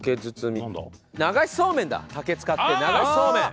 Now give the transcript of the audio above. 竹使って流しそうめん！